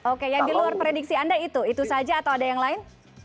oke yang di luar prediksi anda itu itu saja atau ada yang lain